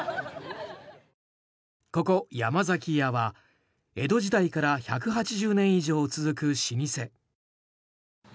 ここ、山崎屋は江戸時代から１８０年以上続く老舗。